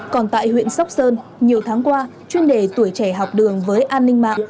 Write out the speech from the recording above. còn tại huyện sóc sơn nhiều tháng qua chuyên đề tuổi trẻ học đường với an ninh mạng